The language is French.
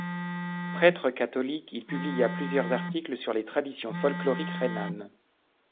Prêtre catholique, il publia plusieurs articles sur les traditions folkloriques rhénanes.